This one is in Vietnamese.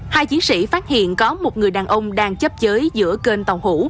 hai chiến sĩ phát hiện có một người đàn ông đang chấp chới giữa kênh tàu hủ